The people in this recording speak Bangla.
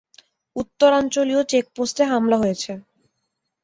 উত্তরাঞ্চলীয় চেকপোস্টে হামলা হয়েছে।